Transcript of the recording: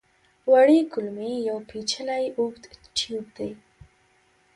وړې کولمې یو پېچلی اوږد ټیوب دی.